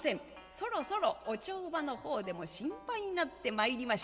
そろそろお帳場の方でも心配になってまいりました。